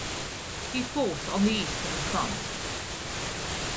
He fought on the Eastern Front.